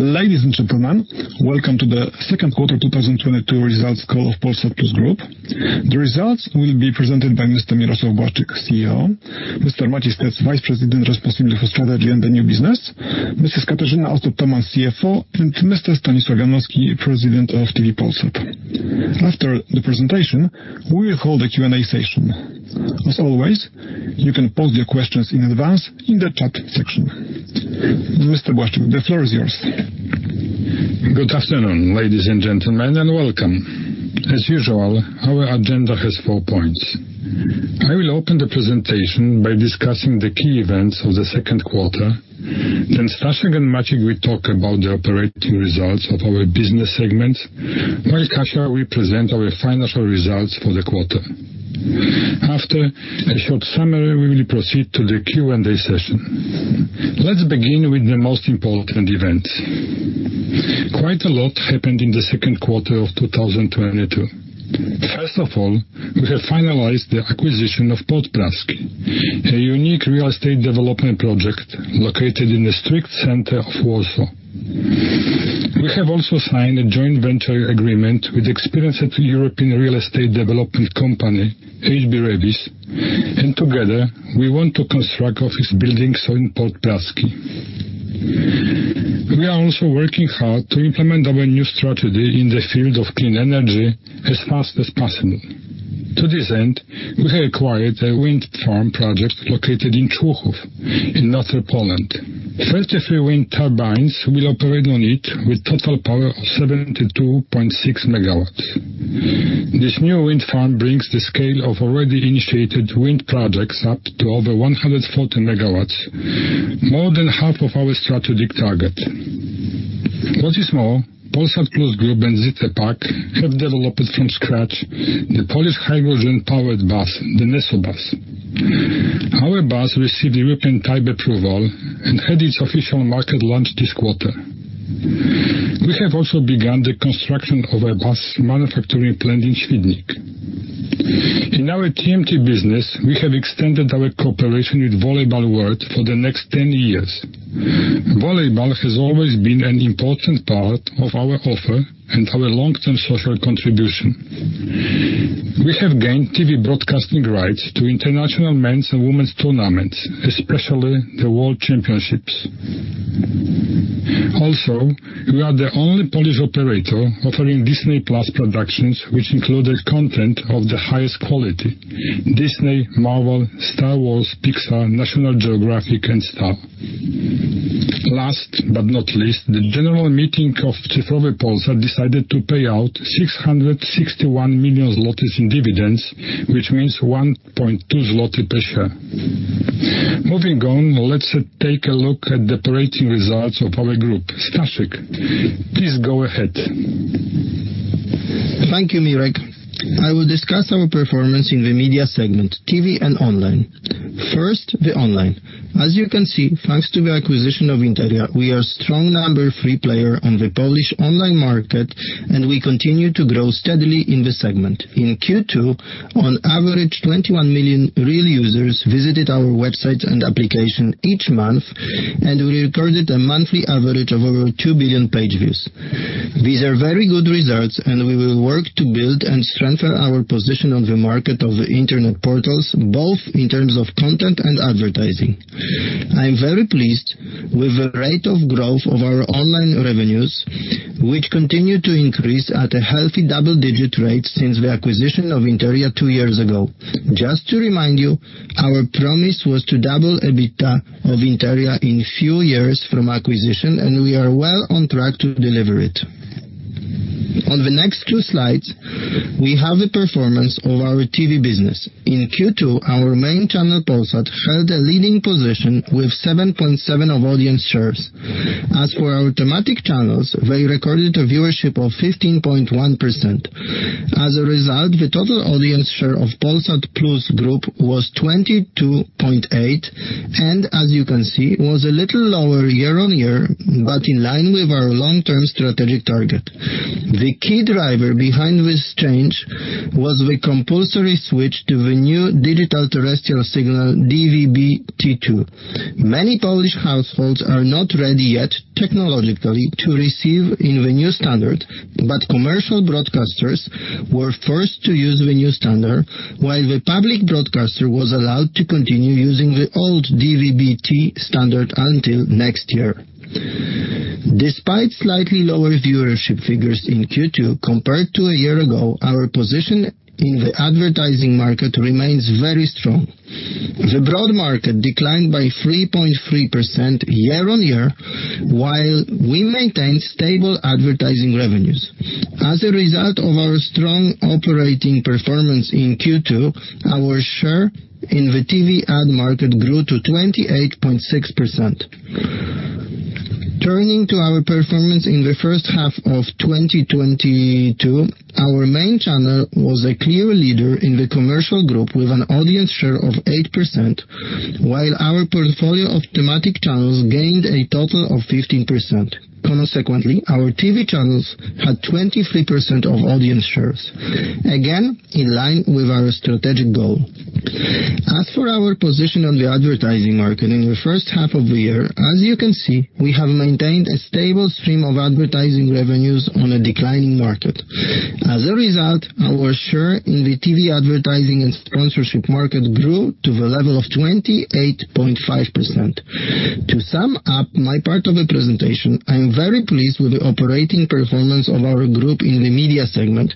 Ladies and gentlemen, welcome to the Q2 2022 results call of Polsat Plus Group. The results will be presented by Mr. Mirosław Błaszczyk, CEO, Mr. Maciej Stec, Vice President responsible for strategy and the new business, Mrs. Katarzyna Otto-Toman, CFO, and Mr. Stanisław Ganowski, President of Telewizja Polsat. After the presentation, we will hold a Q&A session. As always, you can pose your questions in advance in the chat section. Mr. Błaszczyk, the floor is yours. Good afternoon, ladies and gentlemen, and welcome. As usual, our agenda has four points. I will open the presentation by discussing the key events of the Q2. Then Staszek and Maciek will talk about the operating results of our business segments, while Kasia will present our financial results for the quarter. After a short summary, we will proceed to the Q&A session. Let's begin with the most important events. Quite a lot happened in the Q2 of 2022. First of all, we have finalized the acquisition of Port Praski, a unique real estate development project located in the strict center of Warsaw. We have also signed a joint venture agreement with experienced European real estate development company, HB Reavis. Together, we want to construct office buildings in Port Praski. We are also working hard to implement our new strategy in the field of clean energy as fast as possible. To this end, we have acquired a wind farm project located in Człuchów in northern Poland. 33 wind turbines will operate on it with total power of 72.6 megawatts. This new wind farm brings the scale of already initiated wind projects up to over 140 megawatts, more than half of our strategic target. What is more, Polsat Plus Group and ZE PAK have developed from scratch the Polish hydrogen-powered bus, the Neso Bus. Our bus received European type approval and had its official market launch this quarter. We have also begun the construction of a bus manufacturing plant in Świdnik. In our TMT business, we have extended our cooperation with Volleyball World for the next 10 years. Volleyball has always been an important part of our offer and our long-term social contribution. We have gained TV broadcasting rights to international men's and women's tournaments, especially the world championships. We are the only Polish operator offering Disney+ productions, which included content of the highest quality. Disney, Marvel, Star Wars, Pixar, National Geographic, and Star. The general meeting of Cyfrowy Polsat decided to pay out 661 million zlotys in dividends, which means 1.2 zloty per share. Moving on, let's take a look at the operating results of our group. Staszek, please go ahead. Thank you, Mirek. I will discuss our performance in the media segment, TV and online. First, the online. As you can see, thanks to the acquisition of Interia, we are strong number three player on the Polish online market, and we continue to grow steadily in this segment. In Q2, on average, 21 million real users visited our website and application each month, and we recorded a monthly average of over 2 billion page views. These are very good results, and we will work to build and strengthen our position on the market of the internet portals, both in terms of content and advertising. I am very pleased with the rate of growth of our online revenues, which continue to increase at a healthy double-digit rate since the acquisition of Interia two years ago. Just to remind you, our promise was to double EBITDA of Interia in few years from acquisition, and we are well on track to deliver it. On the next two slides, we have the performance of our TV business. In Q2, our main channel, Polsat, held a leading position with 7.7% of audience shares. As for our thematic channels, they recorded a viewership of 15.1%. As a result, the total audience share of Polsat Plus Group was 22.8%, and as you can see, was a little lower year-on-year, but in line with our long-term strategic target. The key driver behind this change was the compulsory switch to the new digital terrestrial signal, DVB-T2. Many Polish households are not ready yet technologically to receive in the new standard, but commercial broadcasters were first to use the new standard, while the public broadcaster was allowed to continue using the old DVB-T standard until next year. Despite slightly lower viewership figures in Q2 compared to a year ago, our position in the advertising market remains very strong. The broad market declined by 3.3% year-over-year, while we maintained stable advertising revenues. As a result of our strong operating performance in Q2, our share in the TV ad market grew to 28.6%. Turning to our performance in the H1 of 2022, our main channel was a clear leader in the commercial group with an audience share of 8%, while our portfolio of thematic channels gained a total of 15%. Consequently, our TV channels had 23% of audience shares, again, in line with our strategic goal. As for our position on the advertising market in the H1 of the year, as you can see, we have maintained a stable stream of advertising revenues on a declining market. As a result, our share in the TV advertising and sponsorship market grew to the level of 28.5%. To sum up my part of the presentation, I am very pleased with the operating performance of our group in the media segment,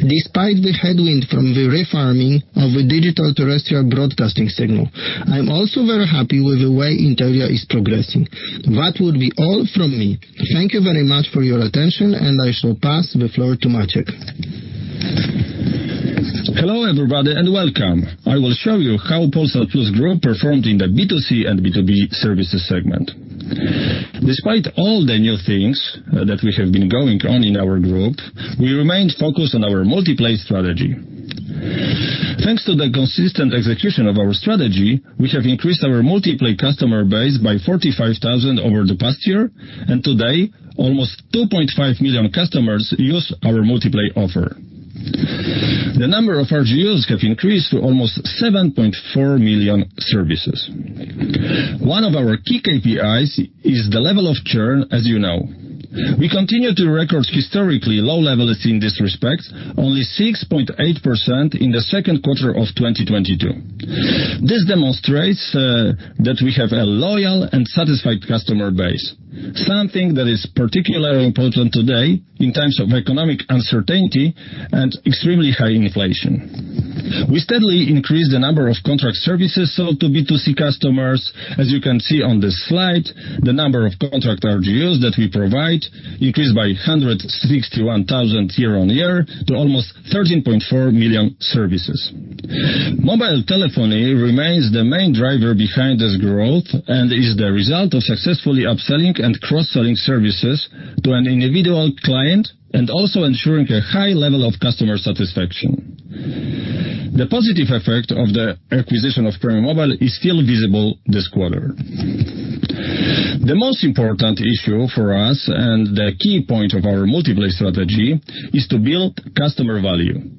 despite the headwind from the refarming of the digital terrestrial broadcasting signal. I'm also very happy with the way Interia is progressing. That would be all from me. Thank you very much for your attention, and I shall pass the floor to Maciej. Hello, everybody, and welcome. I will show you how Polsat Plus Group performed in the B2C and B2B services segment. Despite all the new things that have been going on in our group, we remained focused on our multi-play strategy. Thanks to the consistent execution of our strategy, we have increased our multi-play customer base by 45,000 over the past year, and today almost 2.5 million customers use our multi-play offer. The number of RGUs have increased to almost 7.4 million services. One of our key KPIs is the level of churn, as. We continue to record historically low levels in this respect, only 6.8% in the Q2 of 2022. This demonstrates that we have a loyal and satisfied customer base, something that is particularly important today in times of economic uncertainty and extremely high inflation. We steadily increase the number of contract services sold to B2C customers. As you can see on this slide, the number of contract RGUs that we provide increased by 161,000 year-on-year to almost 13.4 million services. Mobile telephony remains the main driver behind this growth and is the result of successfully upselling and cross-selling services to an individual client and also ensuring a high level of customer satisfaction. The positive effect of the acquisition of Premium Mobile is still visible this quarter. The most important issue for us and the key point of our multi-play strategy is to build customer value.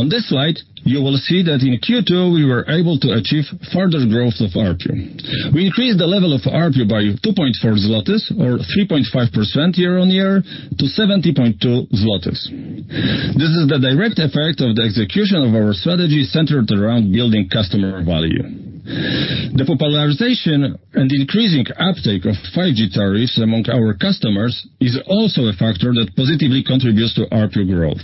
On this slide, you will see that in Q2, we were able to achieve further growth of ARPU. We increased the level of ARPU by 2.4 zlotys or 3.5% year-on-year to 70.2 zlotys. This is the direct effect of the execution of our strategy centered around building customer value. The popularization and increasing uptake of 5G tariffs among our customers is also a factor that positively contributes to ARPU growth.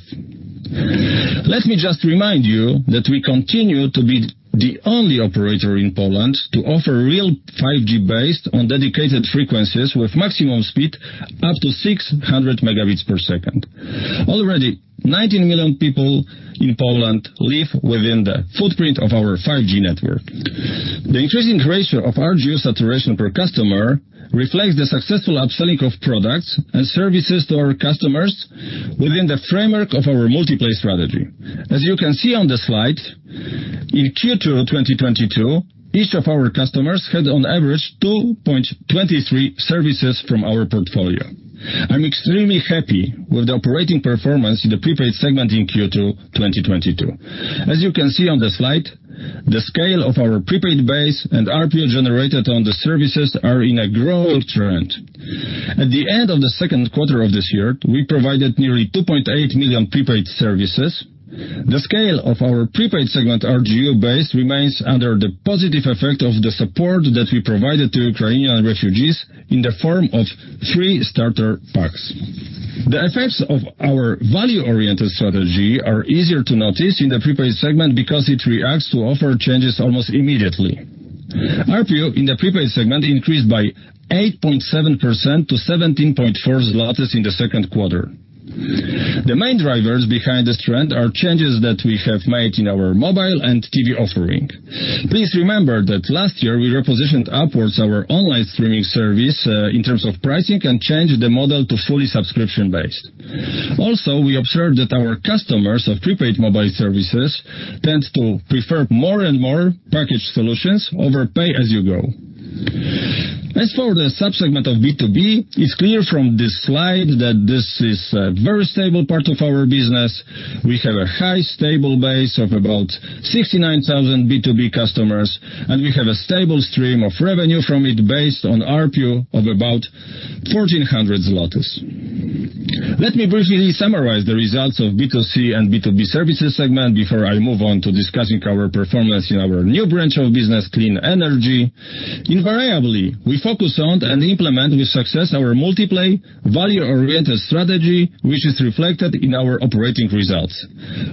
Let me just remind you that we continue to be the only operator in Poland to offer real 5G based on dedicated frequencies with maximum speed up to 600 Mbps. Already, 19 million people in Poland live within the footprint of our 5G network. The increasing ratio of RGU saturation per customer reflects the successful upselling of products and services to our customers within the framework of our multi-play strategy. As you can see on the slide, in Q2 2022, each of our customers had on average 2.23 services from our portfolio. I'm extremely happy with the operating performance in the prepaid segment in Q2 2022. As you can see on the slide, the scale of our prepaid base and ARPU generated on the services are in a growing trend. At the end of the Q2 of this year, we provided nearly 2.8 million prepaid services. The scale of our prepaid segment RGU base remains under the positive effect of the support that we provided to Ukrainian refugees in the form of free starter packs. The effects of our value-oriented strategy are easier to notice in the prepaid segment because it reacts to offer changes almost immediately. ARPU in the prepaid segment increased by 8.7% to 17.4 zlotys in the Q2. The main drivers behind this trend are changes that we have made in our mobile and TV offering. Please remember that last year we repositioned upwards our online streaming service in terms of pricing and changed the model to fully subscription-based. Also, we observed that our customers of prepaid mobile services tend to prefer more and more package solutions over pay-as-you-go. As for the subsegment of B2B, it's clear from this slide that this is a very stable part of our business. We have a high stable base of about 69,000 B2B customers, and we have a stable stream of revenue from it based on ARPU of about 1,400 PLN. Let me briefly summarize the results of B2C and B2B services segment before I move on to discussing our performance in our new branch of business, clean energy. Invariably, we focus on and implement with success our multi-play value-oriented strategy, which is reflected in our operating results.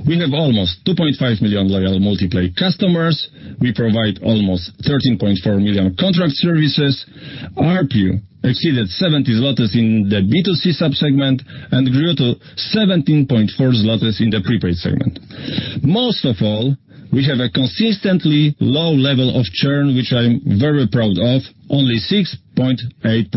We have almost 2.5 million loyal multi-play customers. We provide almost 13.4 million contract services. ARPU exceeded 70 zlotys in the B2C subsegment and grew to 17.4 zlotys in the prepaid segment. Most of all, we have a consistently low level of churn, which I'm very proud of, only 6.8%.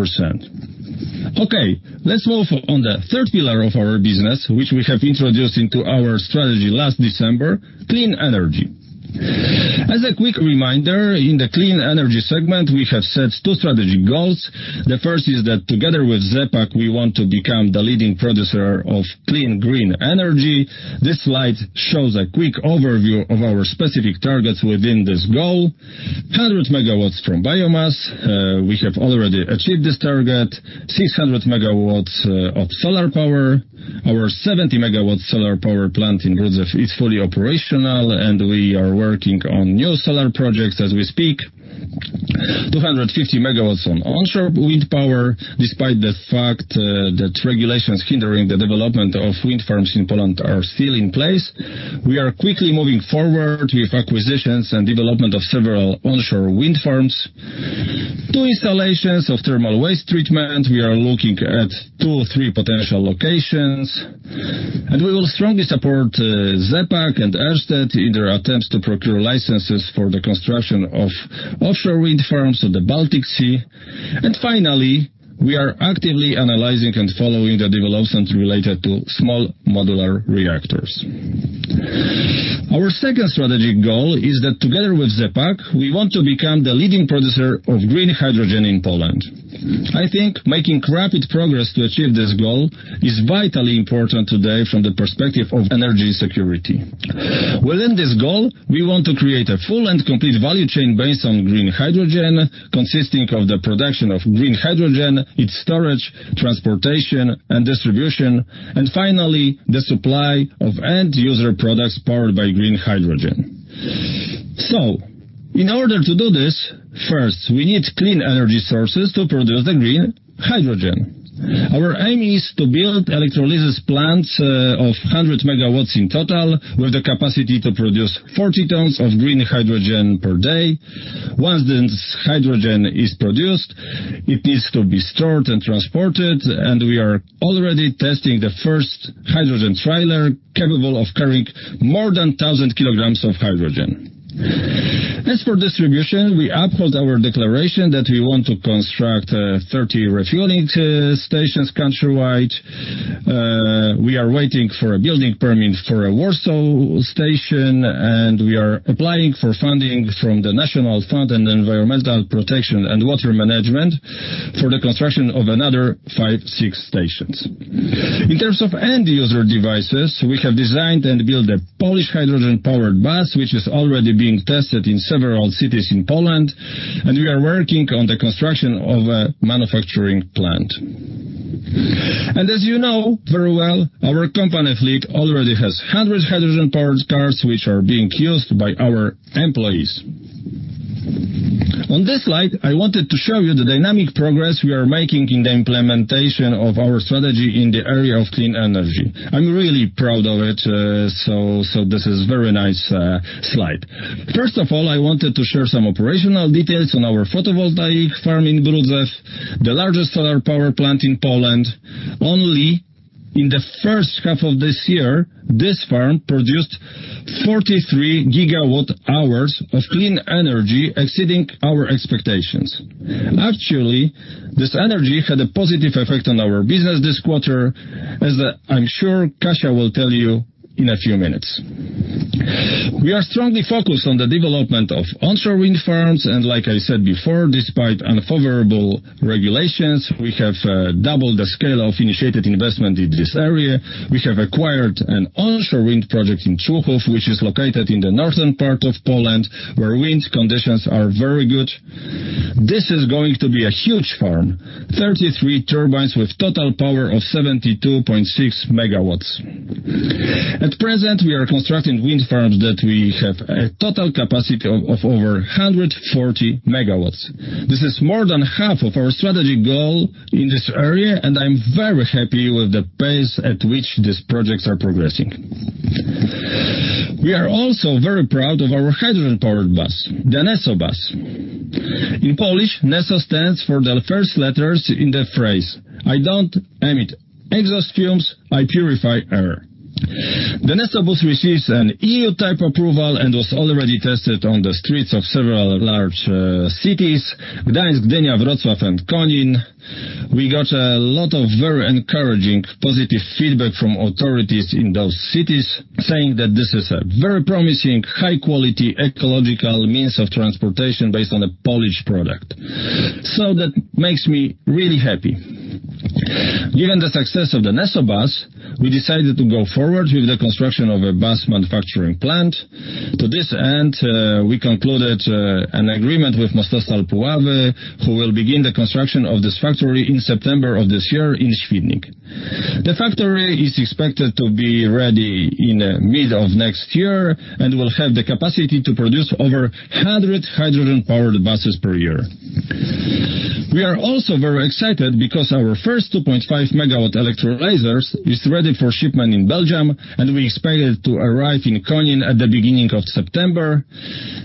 Okay. Let's move on to the third pillar of our business, which we have introduced into our strategy last December, clean energy. As a quick reminder, in the clean energy segment, we have set two strategic goals. The first is that together with ZE PAK, we want to become the leading producer of clean, green energy. This slide shows a quick overview of our specific targets within this goal. 100 megawatts from biomass. We have already achieved this target. 600 megawatts of solar power. Our 70-megawatt solar power plant in Brudzew is fully operational, and we are working on new solar projects as we speak. 250 megawatts on onshore wind power, despite the fact that regulations hindering the development of wind farms in Poland are still in place. We are quickly moving forward with acquisitions and development of several onshore wind farms. Two installations of thermal waste treatment. We are looking at two or three potential locations. We will strongly support ZE PAK and Ørsted in their attempts to procure licenses for the construction of offshore wind farms in the Baltic Sea. Finally, we are actively analyzing and following the developments related to small modular reactors. Our second strategic goal is that together with ZE PAK, we want to become the leading producer of green hydrogen in Poland. I think making rapid progress to achieve this goal is vitally important today from the perspective of energy security. Within this goal, we want to create a full and complete value chain based on green hydrogen, consisting of the production of green hydrogen, its storage, transportation and distribution, and finally, the supply of end user products powered by green hydrogen. In order to do this, first, we need clean energy sources to produce the green hydrogen. Our aim is to build electrolysis plants, of 100 megawatts in total, with the capacity to produce 40 tons of green hydrogen per day. Once this hydrogen is produced, it needs to be stored and transported, and we are already testing the first hydrogen trailer capable of carrying more than 1,000 kilograms of hydrogen. As for distribution, we uphold our declaration that we want to construct 30 refueling stations countrywide. We are waiting for a building permit for a Warsaw station, and we are applying for funding from the National Fund for Environmental Protection and Water Management for the construction of another five, six stations. In terms of end user devices, we have designed and built a Polish hydrogen-powered bus, which is already being tested in several cities in Poland, and we are working on the construction of a manufacturing plant. As very well, our company fleet already has 100 hydrogen-powered cars which are being used by our employees. On this slide, I wanted to show you the dynamic progress we are making in the implementation of our strategy in the area of clean energy. I'm really proud of it, so this is very nice slide. First of all, I wanted to share some operational details on our photovoltaic farm in Brudzew, the largest solar power plant in Poland. Only in the H1 of this year, this farm produced 43 GWh of clean energy, exceeding our expectations. Actually, this energy had a positive effect on our business this quarter, as I'm sure Kasia will tell you in a few minutes. We are strongly focused on the development of onshore wind farms. Like I said before, despite unfavorable regulations, we have doubled the scale of initiated investment in this area. We have acquired an onshore wind project in Człuchów, which is located in the northern part of Poland, where wind conditions are very good. This is going to be a huge farm, 33 turbines with total power of 72.6 megawatts. At present, we are constructing wind farms that we have a total capacity of over 140 megawatts. This is more than half of our strategy goal in this area, and I'm very happy with the pace at which these projects are progressing. We are also very proud of our hydrogen-powered bus, the Neso bus. In Polish, NESO stands for the first letters in the phrase, "I don't emit exhaust fumes. I purify air." The Neso Bus receives an EU type approval and was already tested on the streets of several large cities, Gdańsk, Gdynia, Wrocław, and Konin. We got a lot of very encouraging positive feedback from authorities in those cities, saying that this is a very promising high quality ecological means of transportation based on a Polish product. That makes me really happy. Given the success of the Neso Bus, we decided to go forward with the construction of a bus manufacturing plant. To this end, we concluded an agreement with Mostostal Puławy, who will begin the construction of this factory in September of this year in Świdnik. The factory is expected to be ready in mid of next year and will have the capacity to produce over 100 hydrogen-powered buses per year. We are also very excited because our first 2.5-megawatt electrolyzers is ready for shipment in Belgium, and we expect it to arrive in Konin at the beginning of September.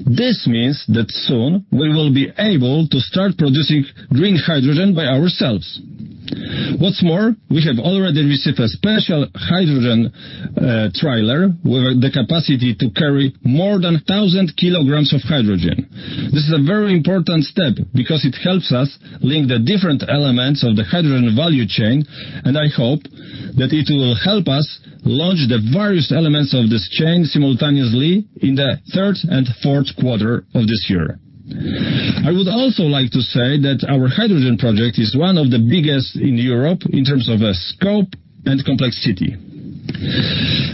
This means that soon we will be able to start producing green hydrogen by ourselves. What's more, we have already received a special hydrogen trailer with the capacity to carry more than 1,000 kilograms of hydrogen. This is a very important step because it helps us link the different elements of the hydrogen value chain, and I hope that it will help us launch the various elements of this chain simultaneously in the third and Q4of this year. I would also like to say that our hydrogen project is one of the biggest in Europe in terms of scope and complexity.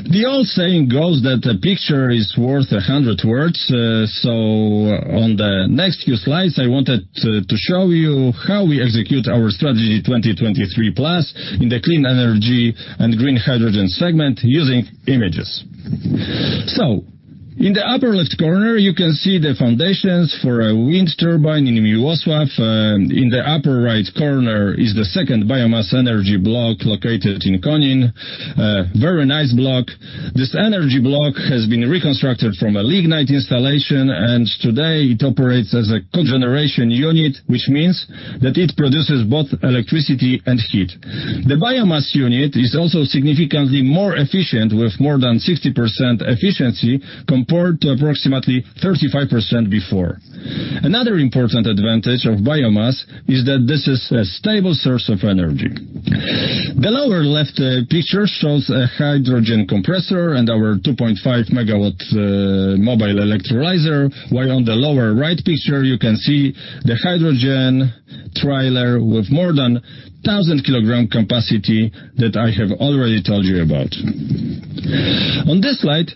The old saying goes that a picture is worth 100 words, so on the next few slides, I wanted to show you how we execute our strategy 2023+ in the clean energy and green hydrogen segment using images. In the upper left corner, you can see the foundations for a wind turbine in Mirosławiec. In the upper right corner is the second biomass energy block located in Konin. Very nice block. This energy block has been reconstructed from a lignite installation, and today it operates as a cogeneration unit, which means that it produces both electricity and heat. The biomass unit is also significantly more efficient, with more than 60% efficiency compared to approximately 35% before. Another important advantage of biomass is that this is a stable source of energy. The lower left picture shows a hydrogen compressor and our 2.5-megawatt mobile electrolyzer, while on the lower right picture, you can see the hydrogen trailer with more than 1,000-kilogram capacity that I have already told you about. On this slide,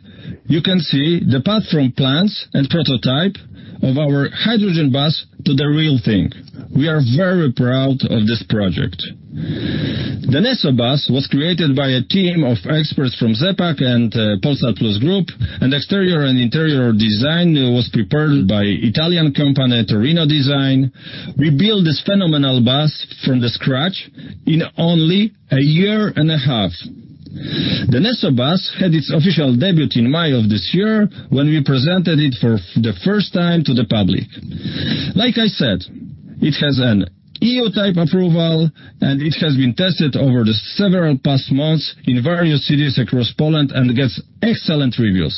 you can see the path from plans and prototype of our hydrogen bus to the real thing. We are very proud of this project. The Neso Bus was created by a team of experts from ZE PAK and Polsat Plus Group, and exterior and interior design was prepared by Italian company Torino Design. We built this phenomenal bus from scratch in only a year and a half. The Neso Bus had its official debut in May of this year when we presented it the first time to the public. Like I said, it has an EU-type approval, and it has been tested over the several past months in various cities across Poland and gets excellent reviews,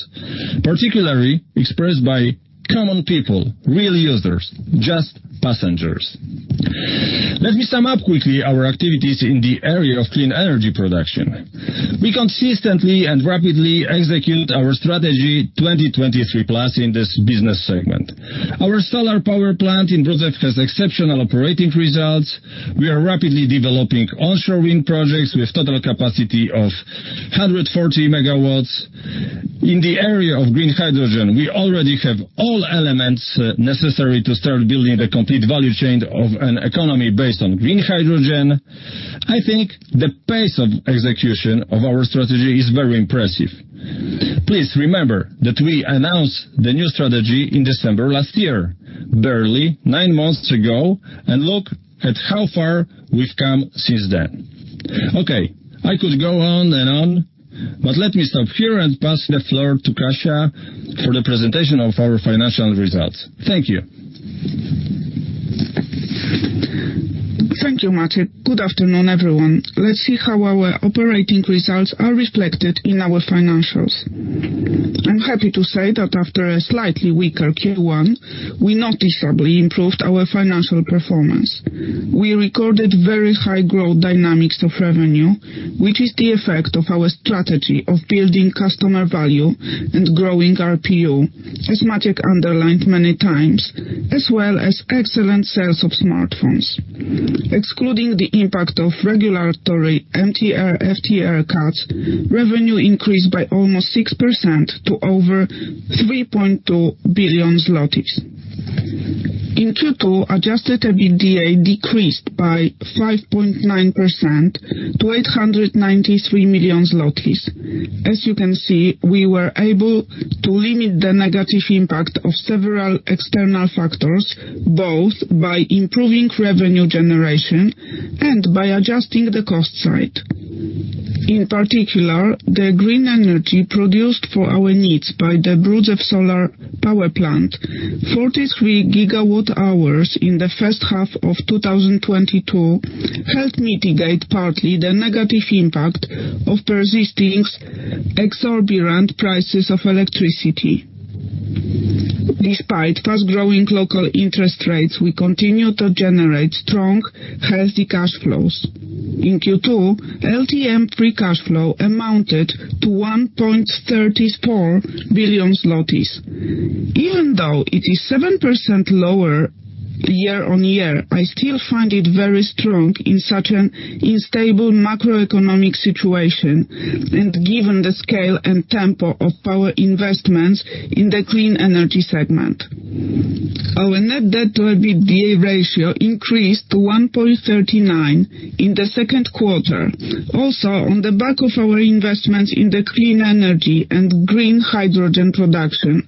particularly expressed by common people, real users, just passengers. Let me sum up quickly our activities in the area of clean energy production. We consistently and rapidly execute our strategy 2023+ in this business segment. Our solar power plant in Brudzew has exceptional operating results. We are rapidly developing onshore wind projects with total capacity of 140 MW. In the area of green hydrogen, we already have all elements necessary to start building the complete value chain of an economy based on green hydrogen. I think the pace of execution of our strategy is very impressive. Please remember that we announced the new strategy in December last year, barely nine months ago, and look at how far we've come since then. Okay. I could go on and on, but let me stop here and pass the floor to Kasia for the presentation of our financial results. Thank you. Thank you, Maciej. Good afternoon, everyone. Let's see how our operating results are reflected in our financials. I'm happy to say that after a slightly weaker Q1 we noticeably improved our financial performance. We recorded very high growth dynamics of revenue which is the effect of our strategy of building customer value and growing our PO, as Maciej underlined many times as well as excellent sales of smartphones. Excluding the impact of regulatory MTR, FTR cuts revenue increased by almost 6% to over 3.2 billion zlotys. In Q2, adjusted EBITDA decreased by 5.9% to 893 million zlotys. As you can see, we were able to limit the negative impact of several external factors both by improving revenue generation and by adjusting the cost side. In particular the green energy produced for our needs by the Brudzew solar power plant, 43 gigawatt hours in the H1 of 2022 helped mitigate partly the negative impact of persisting exorbitant prices of electricity. Despite fast-growing local interest rates we continue to generate strong, healthy cash flows. In Q2, LTM free cash flow amounted to 1.34 billion zlotys. Even though it is 7% lower year-over-year, I still find it very strong in such an unstable macroeconomic situation and given the scale and tempo of our investments in the clean energy segment. Our net debt to EBITDA ratio increased to 1.39 in the Q2, also on the back of our investments in the clean energy and green hydrogen production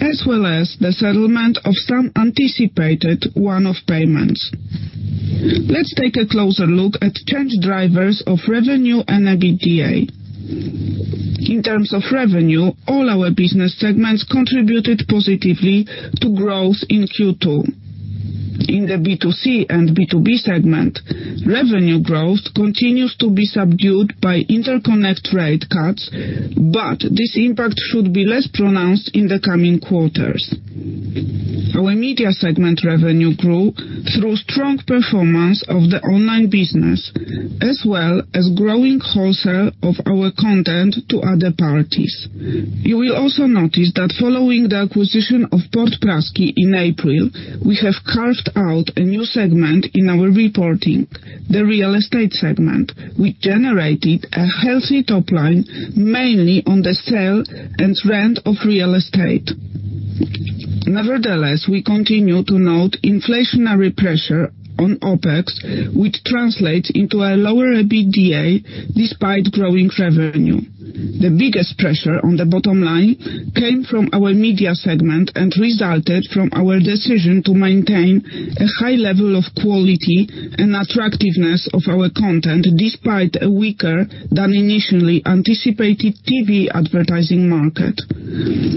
as well as the settlement of some anticipated one-off payments. Let's take a closer look at change drivers of revenue and EBITDA. In terms of revenue, all our business segments contributed positively to growth in Q2. In the B2C and B2B segment, revenue growth continues to be subdued by interconnect rate cuts but this impact should be less pronounced in the coming quarters. Our media segment revenue grew through strong performance of the online business, as well as growing wholesale of our content to other parties. You will also notice that following the acquisition of Port Praski in April we have carved out a new segment in our reporting, the real estate segment. We generated a healthy top line mainly on the sale and rent of real estate. Nevertheless we continue to note inflationary pressure on OpEx, which translates into a lower EBITDA despite growing revenue. The biggest pressure on the bottom line came from our media segment and resulted from our decision to maintain a high level of quality and attractiveness of our content despite a weaker than initially anticipated TV advertising market.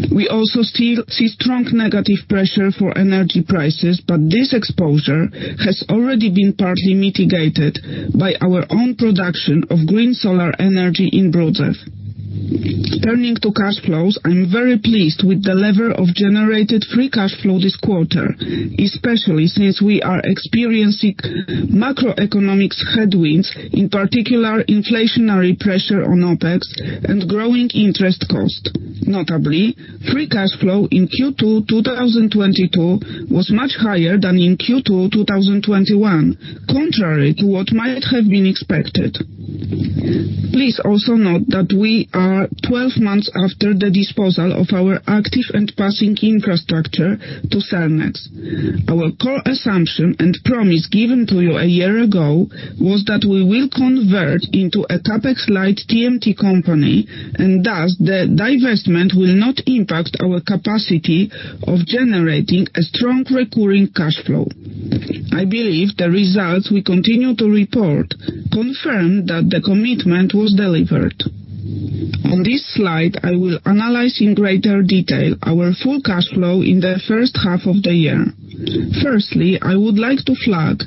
We also still see strong negative pressure from energy prices, but this exposure has already been partly mitigated by our own production of green solar energy in Brudzew. Turning to cash flows, I'm very pleased with the level of generated free cash flow this quarter especially since we are experiencing macroeconomic headwinds in particular inflationary pressure on OpEx and growing interest costs. Notably, free cash flow in Q2 2022 was much higher than in Q2 2021 contrary to what might have been expected. Please also note that we are 12 months after the disposal of our active and passive infrastructure to Cellnex. Our core assumption and promise given to you a year ago was that we will convert into a CapEx-lite TMT company and thus the divestment will not impact our capacity of generating a strong recurring cash flow. I believe the results we continue to report confirm that the commitment was delivered. On this slide, I will analyze in greater detail our full cash flow in the H1 of the year. Firstly I would like to flag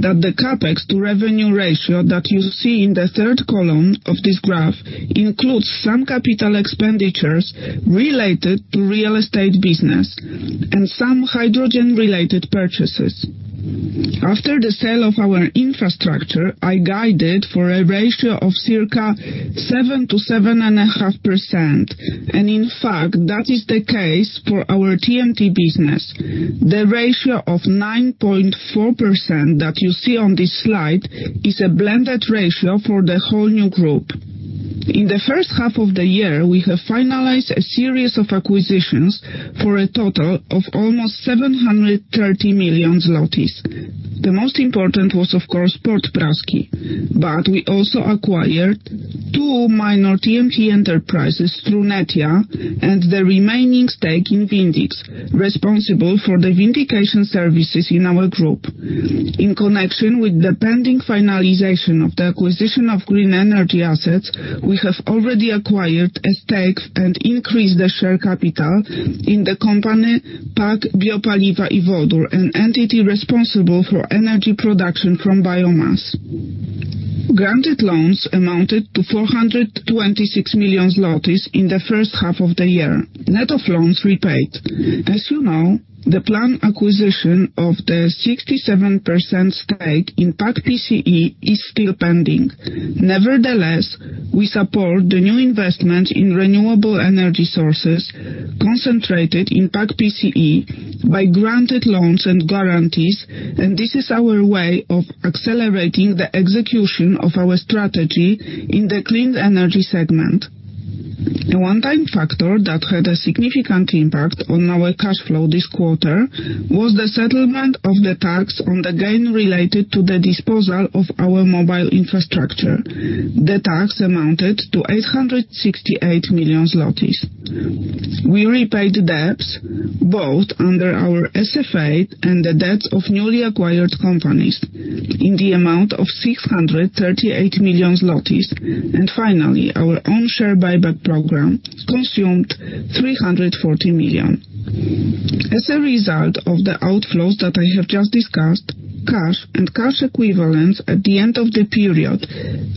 that the CapEx to revenue ratio that you see in the third column of this graph includes some capital expenditures related to real estate business and some hydrogen-related purchases. After the sale of our infrastructure, I guided for a ratio of circa 7%-7.5%, and in fact that is the case for our TMT business. The ratio of 9.4% that you see on this slide is a blended ratio for the whole new group. In the H1 of the year, we have finalized a series of acquisitions for a total of almost 730 million zlotys. The most important was of course Port Praski but we also acquired two minor TMT enterprises through Netia and the remaining stake in Vindix, responsible for the vindication services in our group. In connection with the pending finalization of the acquisition of green energy assets, we have already acquired a stake and increased the share capital in the company PAK-PCE Biopaliwa i Wodór an entity responsible for energy production from biomass. Granted loans amounted to 426 million zlotys in the H1 of the year. Net of loans repaid. As, the planned acquisition of the 67% stake in PAK-PCE is still pending. Nevertheless we support the new investment in renewable energy sources concentrated in PAK-PCE by granted loans and guarantees and this is our way of accelerating the execution of our strategy in the clean energy segment. The one-time factor that had a significant impact on our cash flow this quarter was the settlement of the tax on the gain related to the disposal of our mobile infrastructure. The tax amounted to 868 million zlotys. We repaid the debts both under our SFA and the debts of newly acquired companies in the amount of 638 million. Finally, our own share buyback program consumed 340 million. As a result of the outflows that I have just discussed, cash and cash equivalents at the end of the period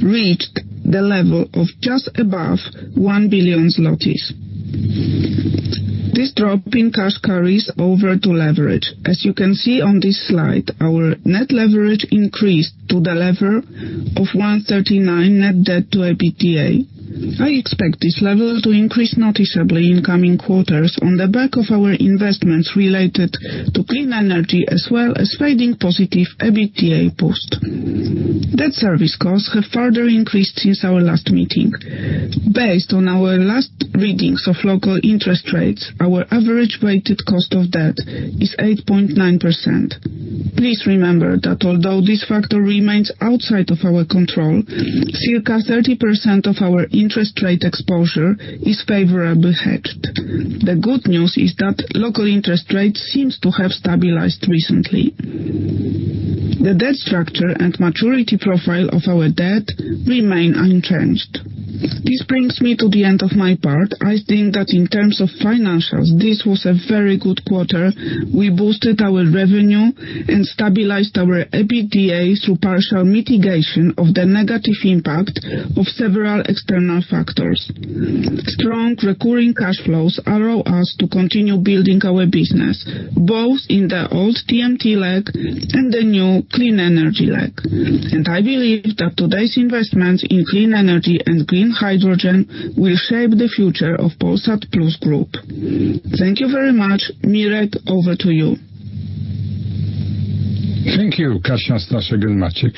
reached the level of just above 1 billion zlotys. This drop in cash carries over to leverage. As you can see on this slide our net leverage increased to the level of 1.39 net debt to EBITDA. I expect this level to increase noticeably in coming quarters on the back of our investments related to clean energy, as well as fading positive EBITDA post. Debt service costs have further increased since our last meeting. Based on our last readings of local interest rates our average weighted cost of debt is 8.9%. Please remember that although this factor remains outside of our control circa 30% of our interest rate exposure is favorably hedged. The good news is that local interest rates seem to have stabilized recently. The debt structure and maturity profile of our debt remain unchanged. This brings me to the end of my part. I think that in terms of financials this was a very good quarter. We boosted our revenue and stabilized our EBITDA through partial mitigation of the negative impact of several external factors. Strong recurring cash flows allow us to continue building our business both in the old TMT leg and the new clean energy leg. I believe that today's investments in clean energy and green hydrogen will shape the future of Polsat Plus Group. Thank you very much. Mirek, over to you. Thank you, Kasjan Staszczyszyn, Maciek.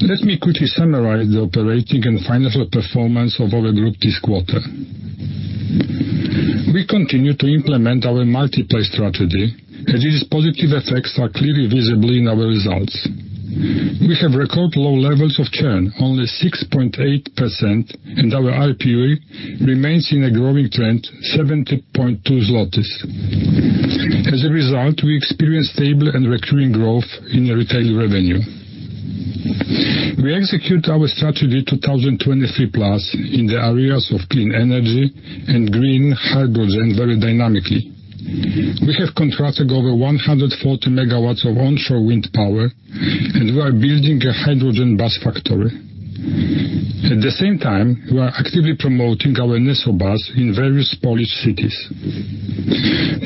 Let me quickly summarize the operating and financial performance of our group this quarter. We continue to implement our multi-play strategy, and its positive effects are clearly visible in our results. We have record low levels of churn, only 6.8%, and our ARPU remains in a growing trend 70.2 zlotys. As a result, we experience stable and recurring growth in the retail revenue. We execute our strategy 2023+ in the areas of clean energy and green hydrogen very dynamically. We have contracted over 140 megawatts of onshore wind power and we are building a hydrogen bus factory. At the same time, we are actively promoting our Nesso bus in various Polish cities.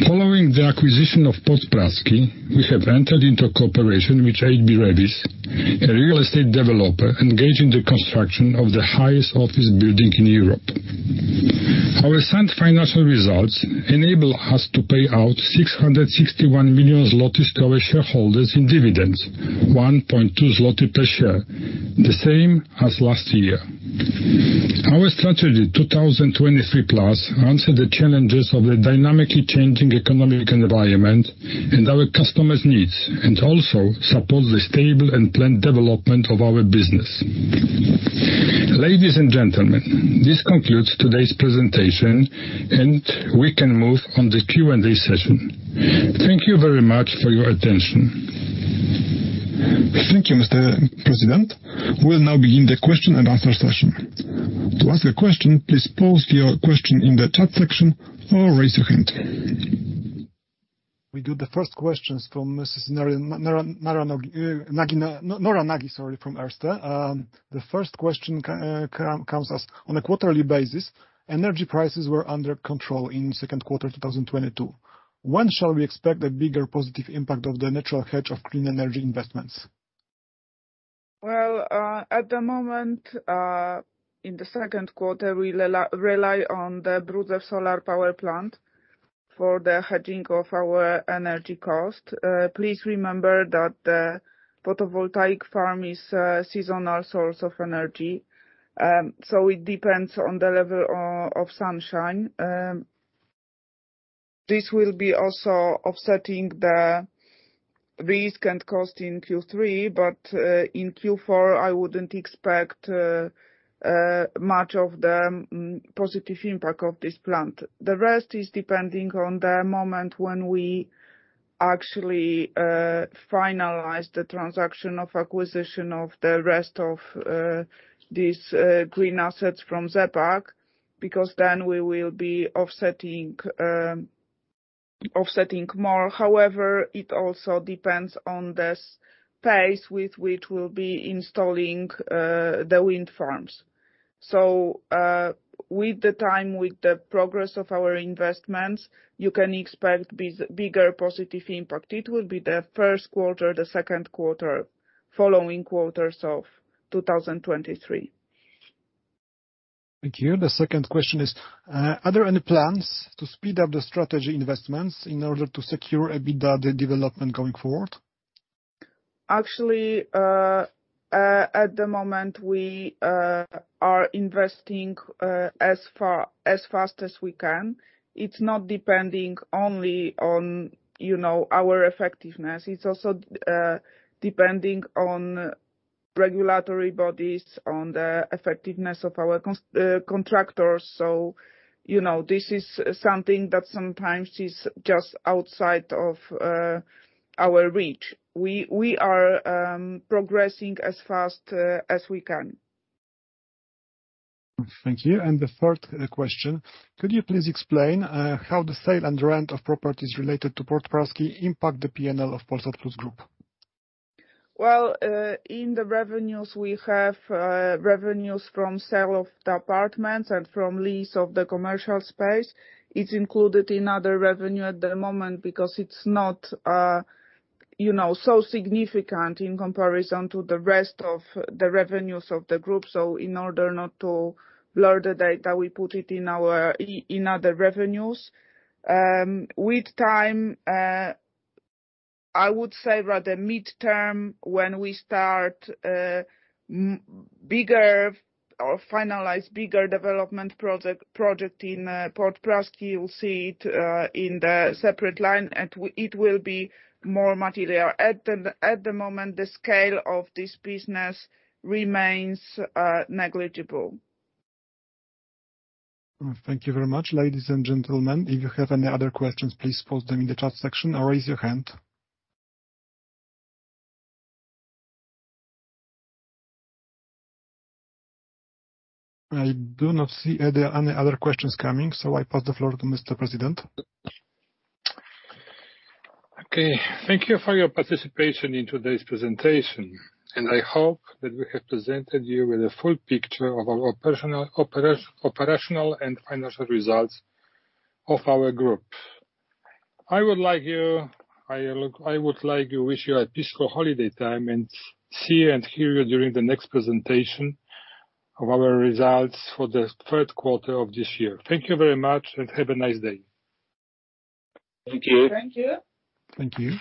Following the acquisition of Port Praski, we have entered into a cooperation with HB Reavis, a real estate developer engaged in the construction of the highest office building in Europe. Our sound financial results enable us to pay out 661 million zlotys to our shareholders in dividends 1.2 zloty per share the same as last year. Our strategy, 2023+, answers the challenges of the dynamically changing economic environment and our customers' needs and also supports the stable and planned development of our business. Ladies and gentlemen this concludes today's presentation and we can move on to the Q&A session. Thank you very much for your attention. Thank you, Mr. President. We'll now begin the question and answer session. To ask a question, please post your question in the chat section or raise your hand. We do the first question from Mrs. Nora Nagi, sorry, from Erste Group. The first question comes as, "On a quarterly basis, energy prices were under control in Q2 2022. When shall we expect a bigger positive impact of the natural hedge of clean energy investments? Well, at the moment, in the Q2, we rely on the Brudzew Solar Power Plant for the hedging of our energy cost. Please remember that the photovoltaic farm is a seasonal source of energy, so it depends on the level of sunshine. This will be also offsetting the risk and cost in Q3, but in Q4, I wouldn't expect much of the positive impact of this plant. The rest is depending on the moment when we actually finalize the transaction of acquisition of the rest of these green assets from ZE PAK, because then we will be offsetting more. However, it also depends on this pace with which we'll be installing the wind farms. With the time, with the progress of our investments, you can expect this bigger positive impact. It will be the Q1, the Q2, following quarters of 2023. Thank you. The second question is, "Are there any plans to speed up the strategy investments in order to secure EBITDA development going forward? Actually, at the moment, we are investing as fast as we can. It's not depending only on our effectiveness. It's also depending on regulatory bodies, on the effectiveness of our contractors., this is something that sometimes is just outside of our reach. We are progressing as fast as we can. Thank you. The third question: "Could you please explain how the sale and rent of properties related to Port Praski impact the P&L of Polsat Plus Group? Well, in the revenues, we have revenues from sale of the apartments and from lease of the commercial space. It's included in other revenue at the moment because it's not so significant in comparison to the rest of the revenues of the group. In order not to blur the data, we put it in other revenues. With time, I would say rather midterm, when we start bigger or finalize bigger development project in Port Praski, you'll see it in the separate line, and it will be more material. At the moment, the scale of this business remains negligible. Thank you very much. Ladies and gentlemen, if you have any other questions, please post them in the chat section or raise your hand. I do not see any other questions coming, so I pass the floor to Mr. President. Okay. Thank you for your participation in today's presentation, and I hope that we have presented you with a full picture of our operational and financial results of our group. I would like to wish you a peaceful holiday time and see and hear you during the next presentation of our results for the Q3 of this year. Thank you very much, and have a nice day. Thank you. Thank you. Thank you.